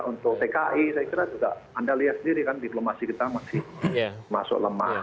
untuk tki saya kira juga anda lihat sendiri kan diplomasi kita masih masuk lemah